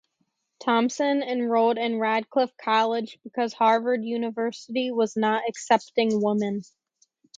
Thompson enrolled in Radcliff College because Harvard University was not accepting women.